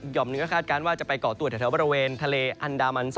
่อมหนึ่งก็คาดการณ์ว่าจะไปก่อตัวแถวบริเวณทะเลอันดามัน๒